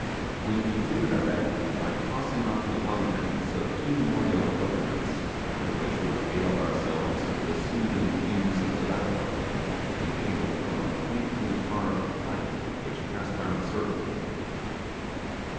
We concluded our banquet by tossing off the contents of two more young cocoanuts, after which we regaled ourselves with the soothing fumes of tobacco, inhaled from a quaintly carved pipe which passed round the circle.